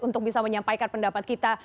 untuk bisa menyampaikan pendapat kita